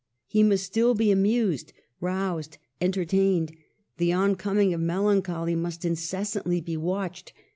He must still be amused, roused, entertained; the on coming of melancholy must incessantly be watched.